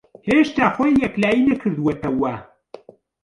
ھێشتا خۆی یەکلایی نەکردووەتەوە.